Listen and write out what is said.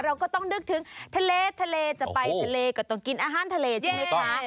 เราก็ต้องนึกถึงทะเลทะเลจะไปทะเลก็ต้องกินอาหารทะเลใช่ไหมคะ